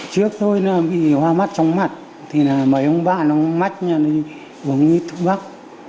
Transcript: trước tôi bị hoa mắt trống mặt thì mấy ông bạn mắt đi uống thủ bắc